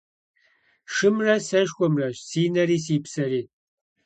Шымрэ сэшхуэмрэщ си нэри си псэри.